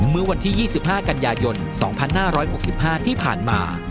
เมื่อวันที่๒๕กันยายน๒๕๖๕ที่ผ่านมา